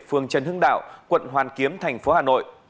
phường trần hưng đạo quận hoàn kiếm thành phố hà nội